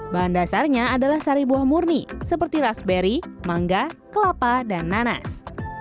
bahan dasarnya adalah sari buah murni seperti raspberry mangga kelapa dan nanas